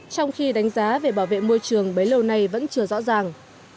trong khi đánh giá về bảo vệ môi trường bấy lâu nay vẫn chưa rõ ràng